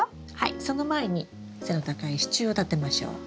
その前に背の高い支柱を立てましょう。